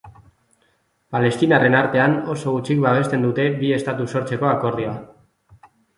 Palestinarren artean oso gutxik babesten dute bi estatu sortzeko akordioa.